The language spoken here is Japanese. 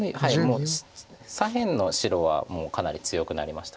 左辺の白はもうかなり強くなりました。